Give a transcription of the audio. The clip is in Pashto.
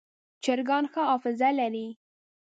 چرګان ښه حافظه لري.